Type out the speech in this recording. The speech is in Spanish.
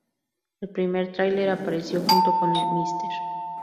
El primer trailer apareció junto con "Mr.